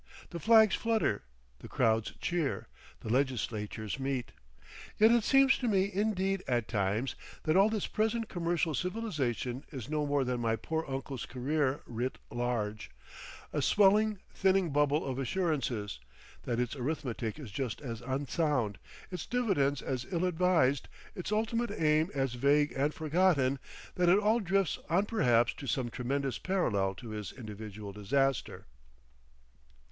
The flags flutter, the crowds cheer, the legislatures meet. Yet it seems to me indeed at times that all this present commercial civilisation is no more than my poor uncle's career writ large, a swelling, thinning bubble of assurances; that its arithmetic is just as unsound, its dividends as ill advised, its ultimate aim as vague and forgotten; that it all drifts on perhaps to some tremendous parallel to his individual disaster...